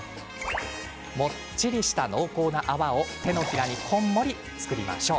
もっちりとした濃厚な泡を手のひらにこんもり作りましょう。